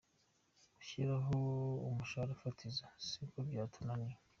Gushyiraho umushahara fatizo si uko byatunaniye.